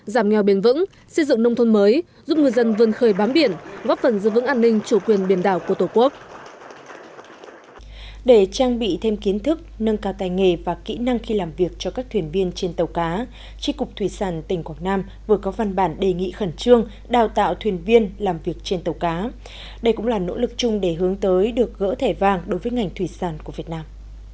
để trang bị thêm kiến thức nâng cao tài nghề và kỹ năng khi làm việc cho các thuyền viên trên tàu cá tri cục thủy sản tỉnh quảng nam vừa có văn bản đề nghị khẩn trương đào tạo thuyền viên làm việc trên tàu cá đây cũng là nỗ lực chung để hướng tới được gỡ thẻ vàng đối với ngành thủy sản của việt nam